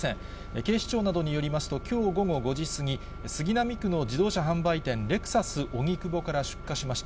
警視庁などによりますと、きょう午後５時過ぎ、杉並区の自動車販売店、レクサス荻窪から出火しました。